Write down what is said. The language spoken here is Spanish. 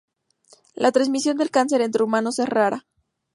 La transmisión del cáncer entre humanos es rara.